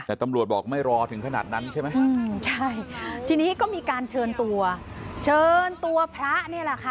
แต่ตำรวจบอกไม่รอถึงขนาดนั้นใช่ไหมใช่ทีนี้ก็มีการเชิญตัวเชิญตัวพระนี่แหละค่ะ